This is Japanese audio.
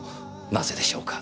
なぜでしょうか？